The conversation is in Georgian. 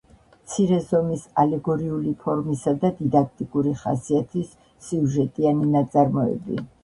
მცირე ზომის ალეგორიული ფორმისა და დიდაქტიკური ხასიათის სიუჟეტიანი ნაწარმოები